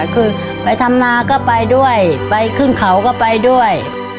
คือไปทำนาก็ไปด้วยไปขึ้นเขาก็ไปด้วย